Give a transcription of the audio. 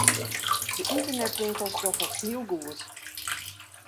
De ynternetwinkels dogge it heel goed.